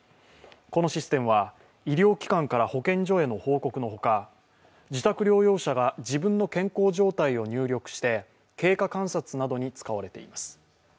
このシステムは、医療機関から保健所への報告のほか自宅療養者が自分の健康状態を入力して経過観察などに使われています。